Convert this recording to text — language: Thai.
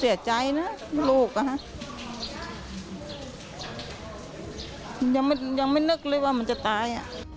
ยังไม่นึกเลยว่ามันจะตาย